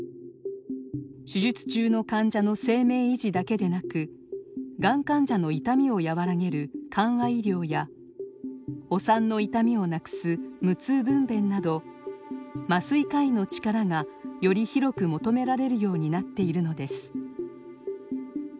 手術中の患者の生命維持だけでなくがん患者の痛みを和らげる緩和医療やお産の痛みを無くす無痛分べんなど麻酔科医の力がより広く求められるようになっているのです。